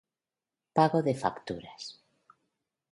Pago de facturas